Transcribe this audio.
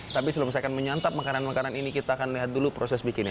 tapi sebelum saya akan menyantap makanan makanan ini kita akan lihat dulu proses bikinnya